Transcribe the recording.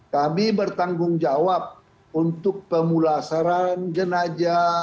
kami bertanggung jawab untuk pemulasaran jenajah